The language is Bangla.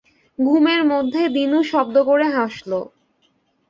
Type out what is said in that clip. ঘুমের মধ্যে দিনু শব্দ করে হাসল।